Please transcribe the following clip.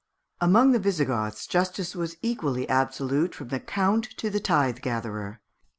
Among the Visigoths justice was equally absolute from the count to the tithe gatherer.